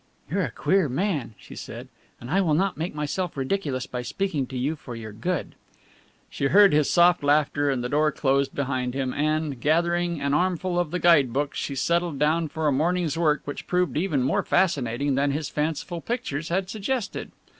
"You're a queer man," she said, "and I will not make myself ridiculous by speaking to you for your good." She heard his soft laughter as the door closed behind him and, gathering an armful of the guide books, she settled down for a morning's work which proved even more fascinating than his fanciful pictures had suggested.